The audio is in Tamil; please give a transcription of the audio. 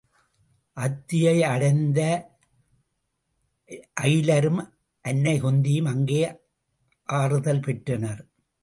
அத்தியை அடைந்த ஐலரும் அன்னை குந்தியும் அங்கே ஆறுதல் பெற்றனர்.